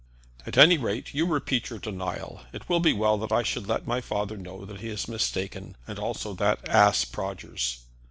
"At any rate you repeat your denial. It will be well that I should let my father know that he is mistaken, and also that ass Prodgers.